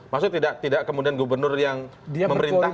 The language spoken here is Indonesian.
maksudnya tidak kemudian gubernur yang memerintahkan